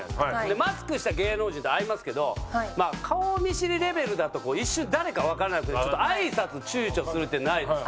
マスクした芸能人と会いますけどまあ顔見知りレベルだと一瞬誰かわからなくてちょっと挨拶躊躇するってないですか？